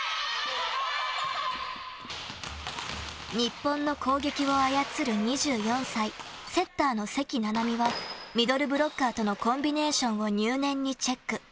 日本の攻撃を操る２４歳セッターの関菜々巳はミドルブロッカーとのコンビネーションを入念にチェック。